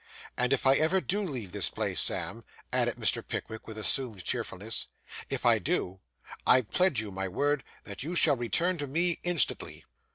And if I ever do leave this place, Sam,' added Mr. Pickwick, with assumed cheerfulness 'if I do, I pledge you my word that you shall return to me instantly.